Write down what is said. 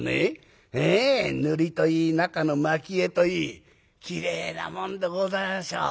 塗りといい中の蒔絵といいきれいなもんでございましょう。